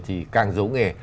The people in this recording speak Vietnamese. thì càng giấu nghề